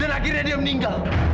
dan akhirnya dia meninggal